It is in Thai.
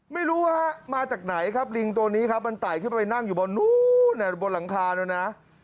ไม่รู้ว่ามาจากไหนครับลิงตัวนี้ครับมันไต่ขึ้นไปนั่งอยู่บนนู้นบนหลังคานู้นนะ